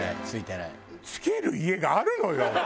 付ける家があるのよ。